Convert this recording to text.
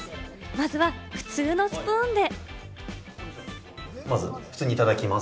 まずは普通のスプーンで。